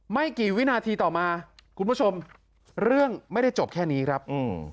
ไม่กี่วินาทีต่อมาคุณผู้ชมเรื่องไม่ได้จบแค่นี้ครับอืม